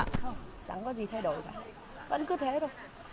không chẳng có gì thay đổi cả vẫn cứ thế thôi